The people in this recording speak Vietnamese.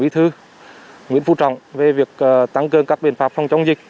tổng bí thư nguyễn phú trọng về việc tăng cơn các biện pháp phòng chống dịch